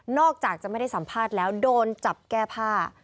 อกจากจะไม่ได้สัมภาษณ์แล้วโดนจับแก้ผ้า